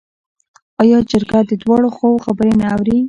آیا جرګه د دواړو خواوو خبرې نه اوري؟